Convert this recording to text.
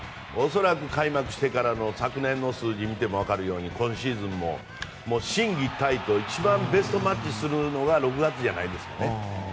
恐らく、開幕してからの昨年の数字を見てもわかるように今シーズンも心技体と一番ベストマッチするのが６月じゃないですかね。